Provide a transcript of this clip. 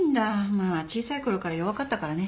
まあ小さい頃から弱かったからね。